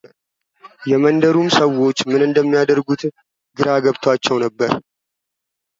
የመንደሩም ሰዎች ምን እንደሚያደርጉት ግራ ገብቷቸው ነበር፡፡